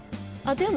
でも。